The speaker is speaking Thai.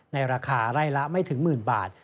ในราคาไร่ละไม่ถึงหมื่นบาท